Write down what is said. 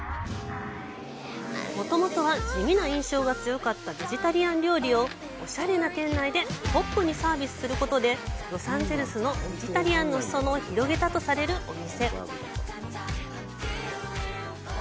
もともとは地味な印象が強かったベジタリアン料理をおしゃれな店内でポップにサービスすることで、ロサンゼルスのベジタリアンの裾野を広げたとされるお店。